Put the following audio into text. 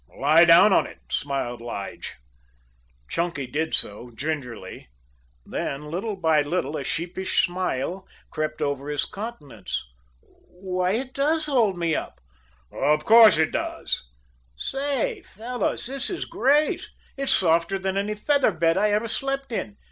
Lie down on it," smiled Lige. Chunky did so, gingerly, then little by little a sheepish smile crept over his countenance. "Why, it does hold me up." "Of course it does." "Say, fellows, this is great. It's softer than any feather bed I ever slept in.